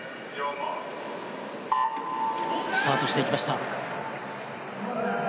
スタートしていきました。